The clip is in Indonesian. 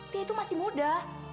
dia itu masih muda